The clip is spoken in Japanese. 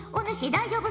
大丈夫？